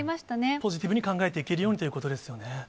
ポジティブに考えていけるようにということですよね。